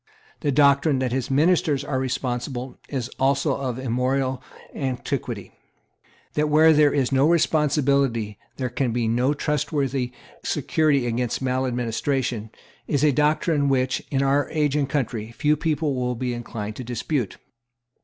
The doctrine that his ministers are responsible is also of immemorial antiquity. That where there is no responsibility there can be no trustworthy security against maladministration, is a doctrine which, in our age and country, few people will be inclined to dispute.